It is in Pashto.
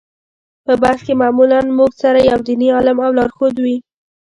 په بس کې معمولا موږ سره یو دیني عالم او لارښود وي.